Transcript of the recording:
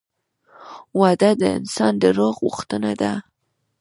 وده د انسان د روح غوښتنه ده.